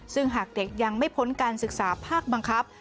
ซึ่งหากเด็กยังไม่พ้นการศึกษาภาคบังคับ